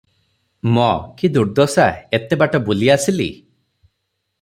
ମ-କି ଦୁର୍ଦ୍ଦଶା! ଏତେ ବାଟ ବୁଲି ଆସିଲି?